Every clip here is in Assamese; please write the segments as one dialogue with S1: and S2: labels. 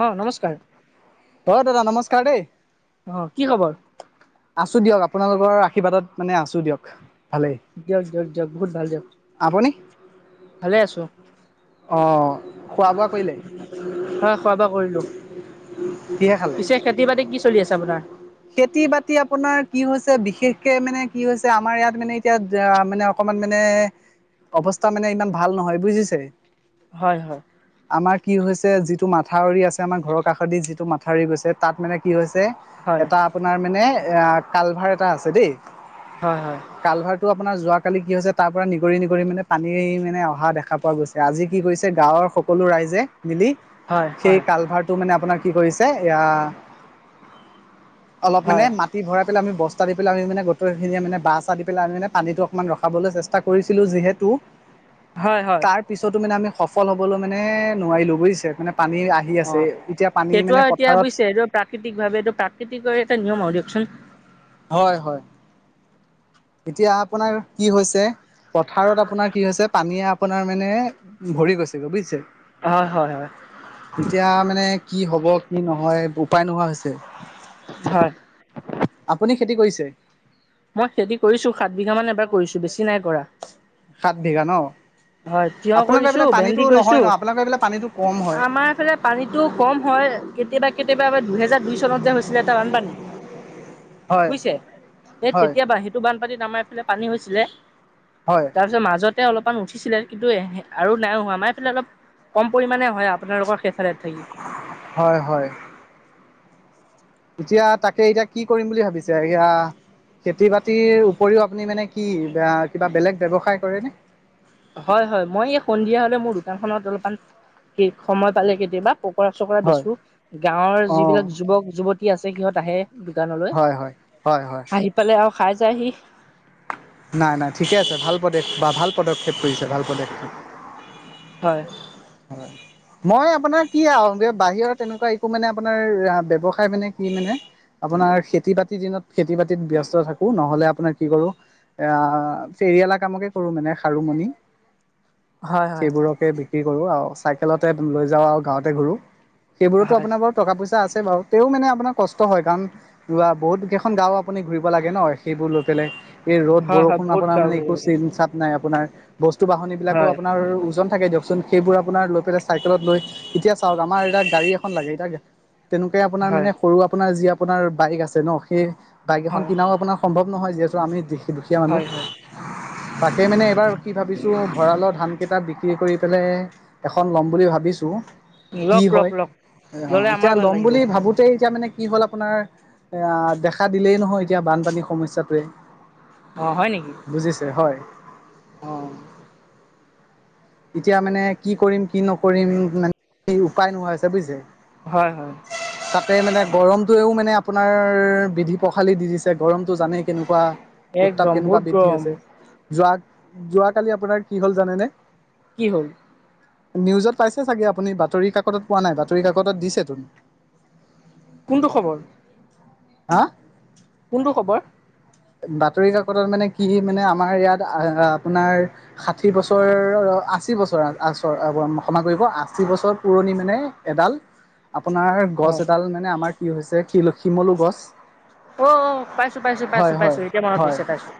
S1: অ নমস্কাৰ।
S2: হয় দাদা নমস্কাৰ দেই।
S1: আহ কি খবৰ?
S2: আছো দিয়ক আপোনালোকৰ আশীৰ্বাদত মানে আছো দিয়ক। ভালেই
S1: দিয়ক দিয়ক দিয়ক বহুত ভাল দিয়ক।
S2: আপুনি
S1: ভালে আছো আহ।
S2: অ খোৱা বোৱা কৰিলে
S1: খোৱা বোৱা কৰিলোঁ
S2: কিহে খালে
S1: পিছে খেতি বাতি কি চলি আছে, আপোনাৰ?
S2: খেতি বাতি আপোনাৰ কি হৈছে বিশেষকে মানে কি হৈছে আমাৰ ইয়াত মানে এতিয়া মানে অকমান মানে অৱস্থা মানে ইমান ভাল নহয় বুজিছে।
S1: হয় হয়।
S2: আমাৰ কি হৈছে যিটো মাথাউৰি আছে আমাৰ ঘৰৰ কাষতদি যিটো মাথাউৰি গৈছে তাত মানে কি হৈছে।
S1: হয়
S2: এটা আপোনাৰ মানে এ কালভাৰ এটা আছে দেই
S1: হয়
S2: কালভাৰটো আপোনাৰ যোৱা। কালি কি হৈছে তাৰ পৰা নিগৰি নিগৰি মানে পানী মানে অহা দেখা পোৱা গৈছে আজি কি কৰিছে গাঁৱৰ সকলো ৰাইজে। মিলি
S1: হয় হয়
S2: সেই
S1: হয়
S2: কালভাৰটো মানে আপোনাৰ কি কৰিছে এয়া অলপ মানে মাটি ভৰাই পেলাই আমি বস্তা দি পেলাই আমি মানে গোটেই খিনিোনে ব বা চা দি পেলাই আমি মানে পানীটো অকমান ৰখাবলৈ চেষ্টা কৰিছিলো যিহেতু
S1: হয় হয় হয়
S2: তাৰ পিছতো মানে আমি সফল হ'বলৈ মানে নোৱাৰিলোঁ বুজিছে মানে। পানী আহি
S1: অ
S2: আছে এতিয়া পানী
S1: সেইটো
S2: মানে
S1: এতিয়া
S2: পথাৰত
S1: বুজিছে এইটো প্ৰাকৃতিক ভাৱে এইটো প্ৰাক- খেতি কৰি এটা নিয়ম হ দিয়কচোন।
S2: হয় হয়। এতিয়া আপোনাৰ কি হৈছে পথাৰত আপোনাৰ কি হৈছে পানীয়ে আপোনাৰ মানে ভৰি গৈছে গৈ বুজিছে
S1: হয় হয় হয়
S2: তেতিয়া মানে। কি হ'ব কি নহয় উপায় নোহোৱা হৈছে।
S1: হয়।
S2: আপুনি খেতি কৰিছে?
S1: মই খেতি কৰিছো সাত বিঘা মান এবাৰ কৰিছো বেছি নাই কৰা।
S2: সাত বিঘা ন?
S1: হয় তিয়
S2: আপোনালোকৰ
S1: কৰিছো
S2: এইফালে পানীতো
S1: ভেন্দি
S2: নহয়
S1: কৰিছো।
S2: ন আপোনালোকৰ এইফালে পানীতো কম হয়।
S1: আমাৰ এইফালে পানীটো কম হয় কেতিয়াবা কেতিয়াবা দুহেজাৰ দুই চনত যে হৈছিলে এটা বানপানী
S2: হয়
S1: বুজিছে এই
S2: হয়
S1: তেতিয়াবা সেইটো বানপানীত আমাৰ এইফালে পানী হৈছিলে।
S2: হয়
S1: তাৰপিছত মাজতে অলপমান উঠি ছিলে কিন্তু আৰু নাই হোৱা আমাৰ এইফালে অলপ কম পৰিমাণে হয় আপোনালোকৰ খে
S2: হয় হয়। এতিয়া তাকে এতিয়া কি কৰিম বুলি ভাবিছে এয়া খেতি বাতিৰ উপৰিও আপুনি মানে কি কিবা বেলেগ ব্যৱসায় কৰেনে?
S1: হয় হয় মই এই সন্ধিয়া হলে মোৰ দোকান খনত অলপান সময় পালে কেতিয়াবা পকৰা চকৰা
S2: হয়
S1: বেচো। গাঁৱৰ
S2: অ'
S1: যিবিলাক যুৱক যুৱতী আছে সিহঁত আহে। দোকানলৈ,
S2: হয় হয় হয় হয়
S1: আহি পালে আৰু খাই যায়হি।
S2: নাই নাই ঠিকে আছে ভাল প্ৰদেশ বা ভাল পদক্ষেপ লৈছে ভাল পদক্ষেপ
S1: হয়।
S2: হয় মই আপোনাৰ কি আৰু বাহিৰত তেনেকুৱা একো মানে আপোনাৰ ব্যৱসায় মানে কি? মানে আপোনাৰ খেতি বাতিৰ দিনত খেতি বাতিত ব্যস্ত থাকো নহলে আপোনাৰ কি কৰো এ ফেৰিয়ালা কামকে কৰো মানে খাৰুমণি
S1: [unintelligible] হয় হয়
S2: সেইবোৰকে বিক্ৰী কৰো আৰু চাইকেলতে লৈ যাও আৰু গাঁৱতে ঘূৰো। সেইবোৰতো
S1: হয়
S2: আপোনাৰ বাৰু টকা পইচা আছে বাৰু তেও মানে আপোনাৰ কষ্ট হয় কাৰণ বহুত কেইখন গাও আপুনি ঘুৰিব লাগে ন সেইবোৰ লৈ পেলাই লে এই ৰ'দ
S1: হয় হয়
S2: বৰষুণ
S1: বহুত
S2: আপোনাৰ
S1: হয়
S2: মানে একো চিন চাপ নাই আপোনাৰ বস্তু বাহনি বিলাকো
S1: হয়
S2: আপোনাৰ ওজন থাকে দিয়কচোন সেইবোৰ আপোনাৰ লৈ পেলাই চাইকেলত লৈ এতিয়া চাওক আমাৰ এতিয়া গাড়ী এখন লাগে এতিয়া তেনেকে আপোনাৰ
S1: হয়
S2: মানে সৰু আপোনাৰ যি আপোনাৰ বাইক আছে ন সেই বাইক এখন
S1: হয়
S2: কিনাও আপোনাৰ সম্ভৱ নহয় যিহেতু আমি দুখীয়া
S1: হয়
S2: মানুহ। তাকে মানে এইবাৰ কি ভাবিছোঁ ভঁৰালৰ ধানকেইটা বি বিক্ৰী কৰি পেলাই এখন ল'ম বুলি ভাবিছোঁ। কি
S1: লওক লওক
S2: হয়
S1: লওক
S2: অ
S1: ল'লে আমাৰ
S2: এতিয়া
S1: ভাল
S2: ল'ম
S1: লাগিব
S2: বুলি ভাবোতে এতিয়া মানে কি হ'ল আপোনাৰ দেখা দিলেই নহয় এতিয়া বানপানীৰ সমস্যাটোৱে।
S1: অ হয় নেকি
S2: বুজিছে হয়।
S1: অ।
S2: এতিয়া মানে কি কৰিম কি নকৰিম মানে উপায় নোহোৱা হৈছে বুজিছে।
S1: হয় হয়
S2: তাতে মানে গৰমটোয়েও মানে আপোনাৰ বিধি পখালি দি দিছে। গৰমটো জানেই কেনেকুৱা উত্তাপ
S1: একদম বহুত
S2: কেনেকুৱা বৃদ্ধি
S1: গৰম
S2: হৈছে যোৱা যোৱাকালি আপোনাৰ কি হ'ল জানেনে?
S1: কি হ'ল?
S2: নিউজত পাইছে চাগে আপুনি বাতৰি কাকতত পোৱা নাই বাতৰি কাকতত দিছেতো।
S1: কোনটো খবৰ?
S2: হা?
S1: কোনটো খবৰ?
S2: বাতৰি কাকতত মানে কি মানে আমাৰ ইয়াত আপোনাৰ ষাঠি বছৰ আশী বছৰ আগৰ ক্ষমা কৰিব আশী বছৰ পুৰণি মানে এডাল আপোনাৰ গছ
S1: হয়
S2: এডাল মানে আমাৰ কি হৈছে শিল শিমলু গছ
S1: অ অ পাইছো পাইছো।
S2: হয়
S1: পাইছো এতিয়া মনত
S2: হয়
S1: পৰিছে পাইছো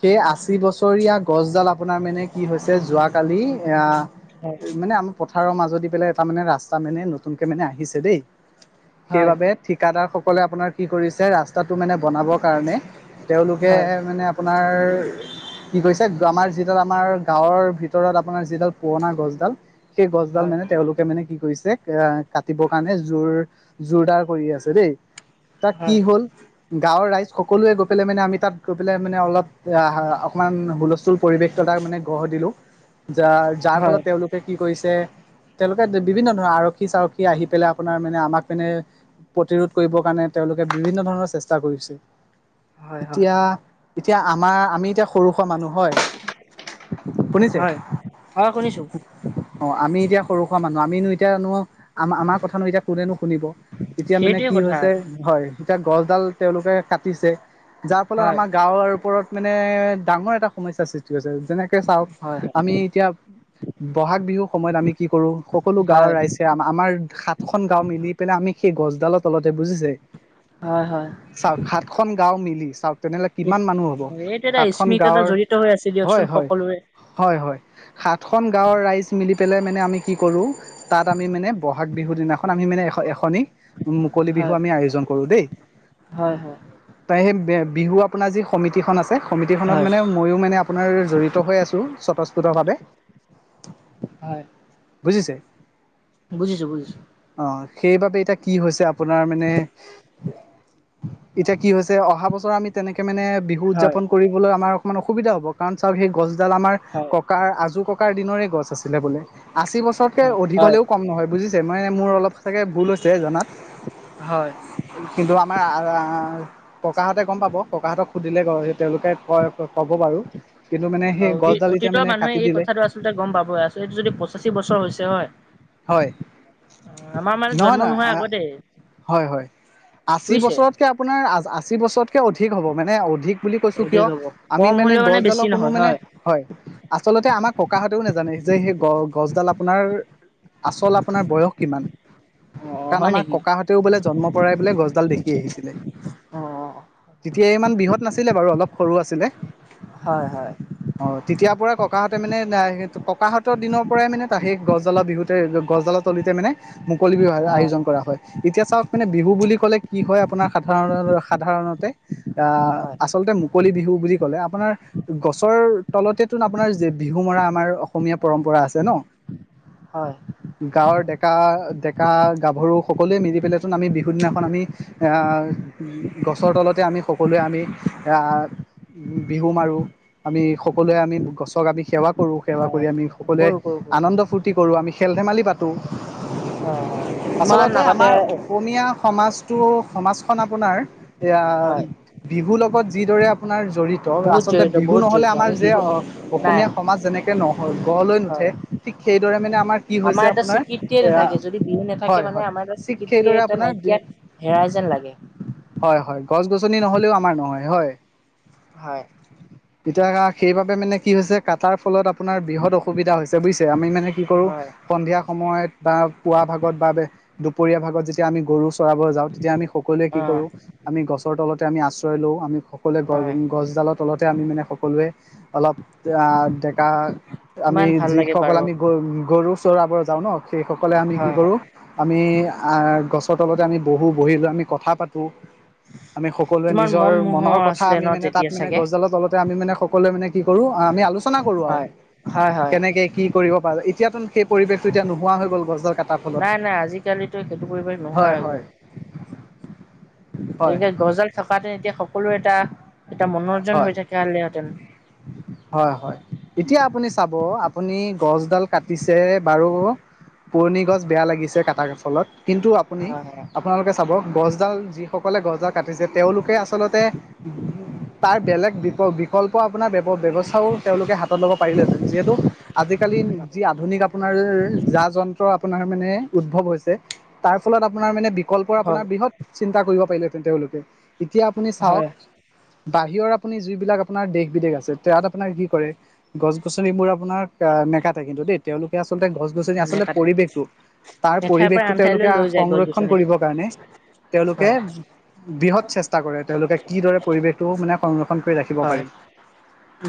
S2: সেই আশী বছৰীয়া গছ ডাল আপোনাৰ মানে কি হৈছে যোৱ কালি এ
S1: হয়
S2: মানে আমাৰ পথাৰৰ মাজত পেলাই এ মানে ৰাস্তা মানে নতুনকে মানে আহিছে দেই
S1: হয়
S2: সেইবাবে ঠিকাদাৰ কলে আপোনাৰ কি কৰিছে ৰাস্তাটো মানে বনাবৰ কাৰণে তেওঁলোকে
S1: হয়
S2: মানে আপোনাৰ কি কৈছে আমাৰ যিডাল আমাৰ গাঁৱৰ ভিতৰত আপোনাৰ যিডাল পুৰণা গছডাল। সেই গছডাল
S1: হয়
S2: মানে তেওঁলোকে মানে কি কৰিছে এ কাটিবৰ কাৰণে জোৰ জোৰদাৰ কৰি আছে দেই। তাক কি
S1: হয়
S2: হ'ল গাঁৱৰ ৰাইজ সকলোৱে গৈ পেলাই মানে আমি তাত গৈ পেলাই মানে অলপ অকমান হুলস্থুল পৰিৱেশ ত তটা মানে গঢ় দিলো। য যাৰ
S1: হয়
S2: ফলত তেওঁলোকে কি কৰিছে তেওঁলোকে বিভিন্ন ধৰণৰ আৰক্ষী চাৰক্ষী আহি পেলাই আপোনাৰ মানে আমাক মানে প্ৰতিৰোধ কৰিবৰ কাৰণে তেওঁলোকে বিভিন্ন ধৰণৰ চেষ্টা কৰিছে।
S1: হয় হয়
S2: এতিয়া এতিয়া আমাৰ আমি এতিয়া সৰু সুৰা মানুহ হয়। শুনিছে
S1: হয় হয় শুনিছো
S2: অ আমি এতিয়া সৰু সুৰা মানুহ আমিনো এতিয়াানো আম আমাৰ কথাানো এতিয়া কোনেনো শুনিব এতিয়া মানে
S1: সেইটোৱে
S2: কি
S1: কথা
S2: হৈছে হয় এতিয়া গছডাল তেওঁলোকে কাটিছে। যাৰ ফলত
S1: হয়
S2: আমাৰ গাঁৱৰ ওপৰত মানে ডাঙৰ এটা সমস্যাৰ সৃষ্টি হৈছে। যেনেকে চাওক
S1: হয় হয়
S2: আমি এতিয়া বহাগ বিহুৰ সময়ত আমি কি কৰো সকলো গাঁওৰ
S1: হয়
S2: ৰাইজে আমাৰ সাতখন গাও মিলি পেলাই আমি সেই গছডালৰ তলতে বুজিছে
S1: হয় হয়।
S2: চাওক সাতখন গাঁও মিলি চাওক তেনেহ'লে কিমান মানুহ হ'ব
S1: এইটো এটা
S2: সাতখন
S1: স্মৃতি এটা
S2: গাঁওৰ
S1: জড়িত হৈ আছে দিয়কচোন
S2: হয় হয়
S1: সকলোৰে
S2: হয় হয় সাতখন গাঁৱৰ ৰাইজ মিলি পেলাই মানে আমি কি কৰো তাত আমি মানে বহাগ বিহু দিনাখন আমি মানে এ এখনি মুকলি বিহু
S1: হয়
S2: আমি আয়োজন কৰো দেই।
S1: হয় হয়
S2: ত সেই বিহু আপোনাৰ যি সমিতিখন আছে। যে সমিতি খনত
S1: হয়
S2: মানে ময়ো মানে আপোনাৰ জড়িত হৈ আছো, স্বতঃস্ফতভাৱে
S1: হয়
S2: বুজিছে
S1: বুজিছো বুজিছো
S2: অ সেইবাবে এতিয়া কি হৈছে আপোনাৰ মানে, এতিয়া কি হৈছে অহা বছৰ পৰা আমি তনেকে মানে বিহু
S1: হয়
S2: উজাপন কৰিবলৈ আমাৰ অকমান অসুবিধা হব কাৰণ চাওঁক হেই গচ ডাল আমাৰ
S1: হয়
S2: ককাৰ আজো ককাৰ দিনৰে গছ আছিলে বোলে। আশী বছৰতকৈ
S1: হয়
S2: অধিক
S1: হয়
S2: হ'লেও কম নহয় বুজিছে মানে মোৰ অলপ চাগে ভুল হৈছে জনাত
S1: হয়
S2: [unintelligible] আহ ককাহঁতে গম পাব, ককাহঁতক সুধিলে এ তেওঁলোকে ক ক'ব বাৰু কিন্তু মানে
S1: অ
S2: সেই
S1: অ
S2: গছডাল এতিয়া
S1: অতীতৰ
S2: মানে
S1: মানুহে
S2: কাটি
S1: এই
S2: দিলে
S1: কথাটো আচলতে গম পাবই আচল এইটো যদি পঁচাশী বছৰ হৈছে হয়
S2: হয়
S1: আমাৰ মানে
S2: নহয়
S1: জন্ম
S2: নহয়
S1: নোহোৱা আগতে।
S2: হয় হয় আশী
S1: বুজিছে
S2: বছৰতকে আপোনাৰ আশী বছৰতকে অধিক হ'ব মানে অধিক বুলি কৈছো কিয়
S1: অধিক হ'ব
S2: আমি
S1: কম
S2: মানে
S1: হ'লেও বেছি
S2: গছডালৰ কোনো
S1: নহয়
S2: মানে, হয় আচলতে আমাক ককাহঁতেও নাজানে যে সেই গ গছডাল আপোনাৰ আচল আপোনাৰ বয়স কিমান?
S1: অ হয় নেকি?
S2: তাহতেও বোলে জন্ম পৰাই বোলে গছডাল দেখি আহিছিলে।
S1: অ'
S2: তেতিয়া ইমান বিহত নাছিলে বাৰু অলপ সৰু আছিলে,
S1: হয় হয়
S2: অ তেতিয়া পৰা ককা তাৰ মানে নাই ককাহঁতৰ দিনৰ পৰাই মানে টা সেই গছডালা বিহুতে গছডালা তলিতে মানে মুকলি বিহু
S1: হয়
S2: আয়োজন কৰা হয়। এতিয়া চাওক মানে বিহু বুলি ক'লে কি হয় আপোনাৰ সাধাৰণ সাধাৰণতে আহ
S1: হয়
S2: আচলতে মুকলি বিহু বুলি ক'লে আপোনাৰ গছৰ তলতে তো আপোনাৰ যে বিহু মৰা আমাৰ অসমীয়া পৰম্পৰা আছে ন
S1: হয়
S2: গাঁৱৰ ডেকা ডেকা গাভৰু সকলোৱে মিলি পেলেচোন আমি বিহুৰ দিনাখন আমি গছৰ তলতে আমি সকলোৱে আমি আহ উ বিহু মাৰো আমি সকলোৱে আমি গছক আমি সেৱা কৰো সেৱা কৰি
S1: হয়
S2: আমি সকলোৱে
S1: কৰোঁ কৰোঁ কৰোঁ
S2: আনন্দ ফূৰ্তি কৰো আমি খেল ধেমালি পাতো
S1: ইমান নাগাত
S2: আমাৰ অসমীয়া সমাজ টো সমাজখন আপোনাৰ ইয়া
S1: হয়
S2: বহুলকে যিদৰে আপোনাৰ জড়িত
S1: বহুত
S2: আচলতে
S1: জড়িত
S2: বিহু
S1: বহুত
S2: নহ'লে
S1: জড়িত
S2: আমাৰ
S1: আমি
S2: যে
S1: বিহু নাই
S2: অসমীয়া সমাজ, যেনেকে নহ গঢ় লৈ নুঠে
S1: হয়
S2: ঠিক সেইদৰে মানে আমাৰ কি হৈছে
S1: এটা
S2: আপোনাৰ,
S1: স্বীকৃতিয়ে
S2: এ
S1: নাথাকে যদি বিহু নাথাকে
S2: হয়
S1: মানে
S2: হয়
S1: আমাৰ এটা
S2: ঠিক সেই
S1: স্বীকৃতিয়ে এটা
S2: আপোনাৰ,
S1: নাইকিয়া হেৰাই যেন লাগে
S2: হয় হয় গছ গছনি নহলেও আমাৰ নহয় হয়,
S1: হয়
S2: এতিয়া সেয়া সেইবাবে মানে কি হৈছে কাটাৰ ফলত আপোনাৰ বৃহৎ অসুবিধা হৈছে বুজিছে আমি মানে কি কৰো উফ্,
S1: হয়
S2: সন্ধিয়া সময়ত বা পুৱা ভাগত বা দুপৰীয়া ভাগত যেতিয়া আমি গৰু চৰাব যাওঁ তেতিয়া আমি সকলোৱে কি
S1: অ'
S2: কৰো আমি গছ গছৰ তলতে আমি আশ্ৰয়, লওঁ আমি সকলোৱে
S1: হয়
S2: গছডালৰ তলতে আমি মানে সকলোৱে অলপ আ আহ ডেকা আমি
S1: কিমান ভাল লাগে
S2: যিসকল
S1: বাৰু
S2: আমি
S1: হয়
S2: গ গৰু চৰাবোৰ যাওঁ ন সেই সকলে আমি কি
S1: হয়
S2: কৰো আমি আহ গছৰ তলতে আমি বহো বহি লৈ আমি কথা পাতো আমি সকলোৱে
S1: কিমান
S2: নিজৰ
S1: মন মোহৰ
S2: মনৰ কথা
S1: আছিলে
S2: আমি
S1: ন
S2: মানে তাত
S1: তেতিয়া
S2: মানে
S1: চাগে
S2: গছডালৰ তলতে আমি মানে সকলোৱে মানে কি কৰো আমি আলোচনা কৰো আৰু,
S1: হয় হয় হয়
S2: কেনেকে কি কৰিব পাৰোঁ এতিয়া চুন সেই পৰিৱেশটো এতিয়া নোৱা হৈ গল গছৰ ডাল কা
S1: নাই নাই আজিকালিতো সেইটো পৰিবেশ
S2: হয়
S1: নহয়
S2: হয়
S1: আৰু, এ
S2: হয়
S1: গছ ডাল থকাহেতেন এতিয়া সকলোৰে এটা এটা মনোৰঞ্জন
S2: হয়
S1: হৈ থাকা হ'লে হেঁতেন।
S2: হয় হয় এতিয়া আপুনি চাব আপুনি গছডাল কাটিছে বাৰু পুৰণি গছ বেয়া লাগিছে কাটাৰ ফলত কিন্তু আপুনি
S1: হয়
S2: আপোনালোকে চাব গছডাল যিসকল গছডাল কাটিছে তেওঁলোকে আচলতে তাৰ বেলেগ বিকল বিকল্প আপোনাৰ ব্যৱস্থাও তেওঁলোকে হাতত ল'ব পাৰিলেহেতেন যিহেতু আজিকালি যি আপুনি আপোনাৰ যা যন্ত্ৰ আপোনাৰ মানে উদ্ভৱ হৈছে তাৰ ফলত আপোনাৰ মানে প্ৰকলল্পৰ আপোনাৰ
S1: হয়
S2: বৃহৎ চিন্তা কৰিব পাৰিলেহেঁতেন তেওঁলোকে এতিয়া আপুনি
S1: হয়
S2: চাওক
S1: হয়
S2: বাহিৰৰ আপুনি যিবিলাক আপোনাৰ দেশ বিদেশ আছে তাত আপোনাৰ কি কৰে গছ গছনিবোৰ আপোনাৰ নেকাটে কিন্তু দেই তেওঁলোকে আচলতে গছ গছনি
S1: ধুনীয়া
S2: আচলতে
S1: কাটে
S2: পৰিৱেশটো তাৰ
S1: এঠাইৰ পৰা
S2: পৰিৱেশটো
S1: আন
S2: তেওঁলোকে
S1: ঠাইলৈ লৈ যায় গছ
S2: সংৰক্ষণ
S1: গছনিটো
S2: কৰিবৰ কাৰণে তেওঁলোকে
S1: হয়
S2: বৃহৎ চেষ্টা কৰে তেওঁলোকে কিদৰে পৰিৱেশটো মানে সংৰক্ষণ কৈ ৰাখিব
S1: হয়
S2: পাৰি,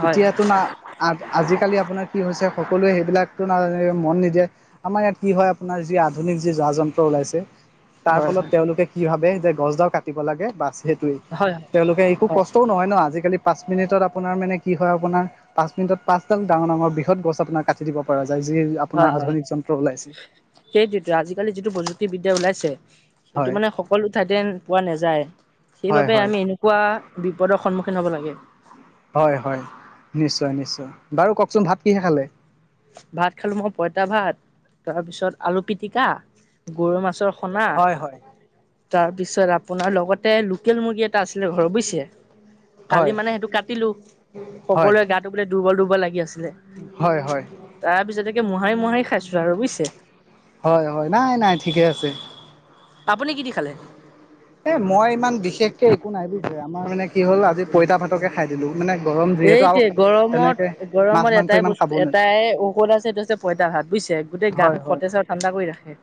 S1: হয়
S2: এতিয়াতো না [unintelligible] যি যা যন্ত্ৰ ওলাইছে তাৰ
S1: হয়
S2: ফলত তেওঁলোকে কি ভাবে যে গছডাল কাটিব লাগে বাছ সেইটোৱে,
S1: হয়
S2: তেওঁলোকে একো কষ্ট নহয় ন আজালি পাঁচ মিনিটত আপোনাৰ মানে কি হয়াৰ পা‍ঁচডাল ডাঙৰ ডাঙৰ বৃহৎ গছ আপোনাৰ কাটি দিব পৰা যায় যি আপোনাৰ
S1: হয় হয়,
S2: আধুনিক যন্ত্ৰ ওলাইছে
S1: সেইটোতো আজিকালি যিটো বৈদ্যুতিক বিদ্যা ওলাইছে সেইটো
S2: হয়
S1: মানে সকলো ঠাইতে পোৱা নেযায়।
S2: হয়
S1: সেইবাবে
S2: হয়
S1: আমি এনেকুৱা বিপদৰ সন্মুখীন হ'ব লাগে
S2: হয় হয় নিশ্চয় নিশ্চয় বাৰু কওকচোন ভাত কিহে খালে
S1: ভাত খালো মই পঁইতা ভাত তাৰপিছত আলু পিটিকা গৰৈ মাছৰ
S2: হয় হয়
S1: তাৰ পিছত আপোনাৰ লগতে লোকেল মুৰ্গী এটা আছিলে ঘৰৰ বুজিছে
S2: হয়
S1: কালি মানে সেইটো কাটিলো
S2: হয়
S1: সকলোৱৰে গাটো বোলে দুৰ্বল দুৰ্বল লাগি আছে
S2: হয় হয়
S1: তাৰ পিছতে মোহাৰি মোহাৰি খাইছো আৰু বুজিছে
S2: হয় হয় নাই নাই ঠিকে আছে
S1: আপুনি কি দি খালে?
S2: এ মই ইমান বিশেষকে একো নাই বুজিছে আমাৰ মানে কি হ'ল আজি পইতা ভাতকে খাই দিলো মানে গৰম যিহেতু আৰু
S1: এইটোৱে
S2: তেনেকে
S1: গৰমত
S2: মাছ
S1: গৰমত
S2: মাংস
S1: এটাই
S2: ইমান খাব
S1: বস্তু
S2: নোৱাৰি
S1: এটাই ঔষধ আছে এইটো আছে পঁইতা ভাত বুজিছে গোটেই
S2: হয়
S1: গাটো
S2: হয়
S1: সতেজ আৰু ঠাণ্ডা কৰি ৰাখে